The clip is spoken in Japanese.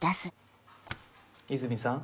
泉さん。